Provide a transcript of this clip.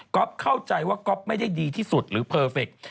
เข้าใจว่าก๊อฟไม่ได้ดีที่สุดหรือเพอร์เฟค